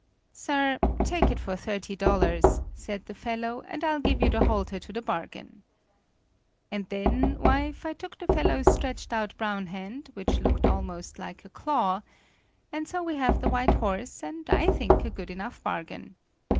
"'Sir, take it for thirty dollars,' said the fellow, 'and I'll give you the halter to the bargain.' "And then, wife, I took the fellow's stretched out brown hand, which looked almost like a claw. And so we have the white horse, and I think a good enough bargain.